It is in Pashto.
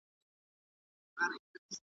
که پلار زوی تر لور غوره ونه باله.